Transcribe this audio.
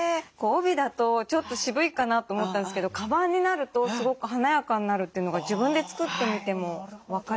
帯だとちょっと渋いかなと思ったんですけどカバンになるとすごく華やかになるというのが自分で作ってみても分かりましたし。